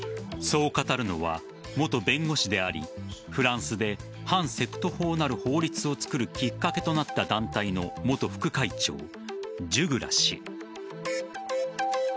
そう語るのは、元弁護士でありフランスで反セクト法なる法律を作るきっかけとなった団体の元副会長ジュグラ氏。